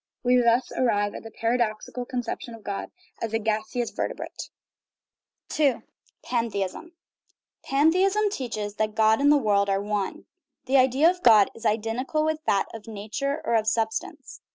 We thus arrive at the paradoxical conception of God as a gaseous vertebrate. II. PANTHEISM Pantheism teaches that God and the world are one. The idea of God is identical with that of nature or sub stance.